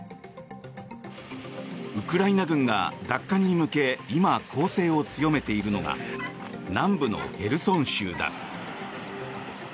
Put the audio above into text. ウクライナ軍が奪還に向け今、攻勢を強めているのが南部のヘルソン州だ。